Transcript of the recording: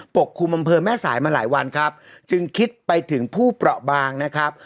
กคลุมอำเภอแม่สายมาหลายวันครับจึงคิดไปถึงผู้เปราะบางนะครับ